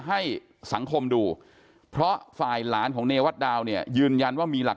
ให้สังคมดูเพราะฝ่ายหลานของเนวัตดาวเนี่ยยืนยันว่ามีหลัก